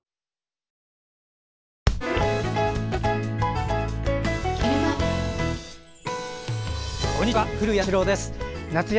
こんにちは。